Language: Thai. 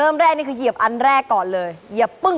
เริ่มแรกนี่คือเหยียบอันแรกก่อนเลย